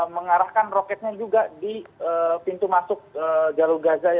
mengarahkan roketnya juga di pintu masuk jalur gaza